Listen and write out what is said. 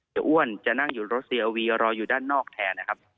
อ้วนจะนั่งอยู่รถเซียวีรออยู่ด้านนอกแทนนะครับ